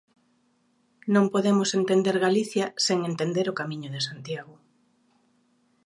Non podemos entender Galicia sen entender o Camiño de Santiago.